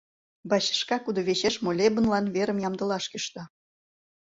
Бачышка кудывечеш молебынлан верым ямдылаш кӱшта.